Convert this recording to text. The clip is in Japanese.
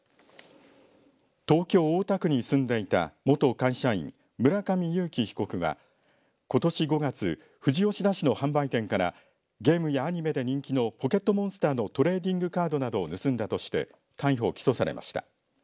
東京大田区に住んでいた元会社員村上友貴被告はことし５月富士吉田市の販売店からゲームやアニメで人気のポケットモンスターのトレーディングカードなどを盗んだとして逮捕、起訴されました。